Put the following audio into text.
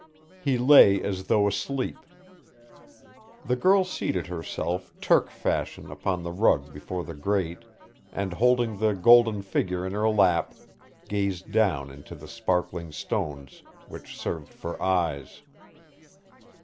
He lay as though asleep. The girl seated herself Turk fashion upon the rug before the grate and, holding the golden figure in her lap, gazed down into the sparkling stones which served for eyes.